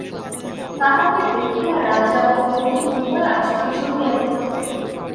তাঁহাকে দেখিয়া রাজা ও ফকির উভয়ে আশ্চর্য হইয়া গেলেন।